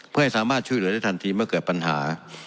เพื่อให้สามารถช่วยเหลือได้ทันทีเมื่อเกิดปัญหา